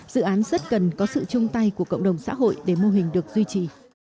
dự án rất cần có sự chung tay của cộng đồng xã hội để mô hình được duy trì